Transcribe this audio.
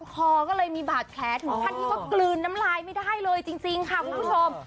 คอก็เลยมีบาดแผลถึงขั้นที่ว่ากลืนน้ำลายไม่ได้เลยจริงค่ะคุณผู้ชม